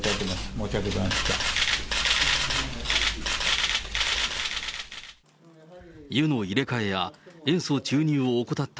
申し訳ございませんでした。